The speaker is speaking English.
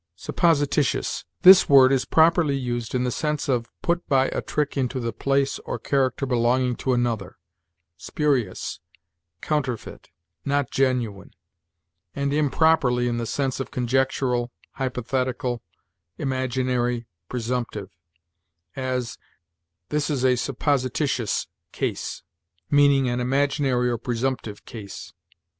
SUPPOSITITIOUS. This word is properly used in the sense of put by a trick into the place or character belonging to another, spurious, counterfeit, not genuine; and improperly in the sense of conjectural, hypothetical, imaginary, presumptive; as, "This is a supposititious case," meaning an imaginary or presumptive case.